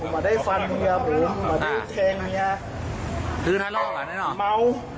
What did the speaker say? เมา